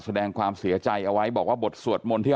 แสดงความเสียใจเอาไว้บอกว่าบทสวดมนต์ที่